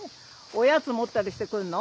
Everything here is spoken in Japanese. おやつ持ったりして来るの？